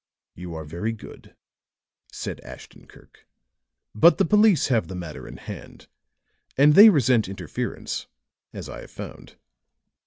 "You are very good," said Ashton Kirk. "But the police have the matter in hand; and they resent interference, as I have found."